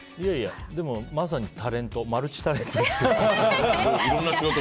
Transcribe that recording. でも、まさにタレントマルチタレントですけど。